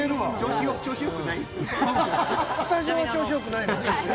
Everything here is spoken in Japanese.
スタジオは調子よくないのよ。